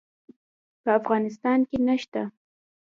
په افغانستان کې نشته